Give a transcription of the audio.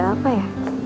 ada apa ya